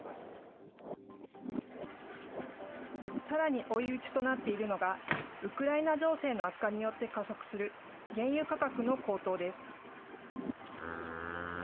さらに追い打ちとなっているのが、ウクライナ情勢の悪化によって加速する原油価格の高騰です。